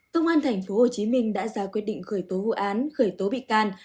cơ quan tp hcm đã ra quyết định khởi tố hữu án khởi tố bị can